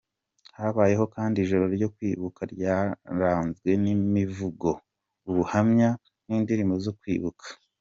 Habaye kandi ijoro ryo kwibuka ryaranzwe n’imivugo, ubuhamya, n’indirimbo zo kwibuka.